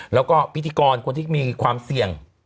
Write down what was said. แล้วก็พิธีกรคนที่มีความเสี่ยง